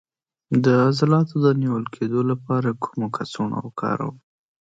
د عضلاتو د نیول کیدو لپاره کومه کڅوړه وکاروم؟